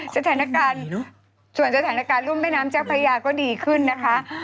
ส่วนจนฐานการณ์รุ่นแม่น้ำเจ้าพระยาก็ดีขึ้นนะคะ